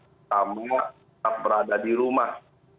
pertama tetap berada di rumah